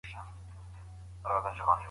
ده د مغولو خلاف مبارزه وکړه